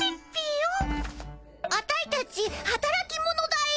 アタイたちはたらき者だよ。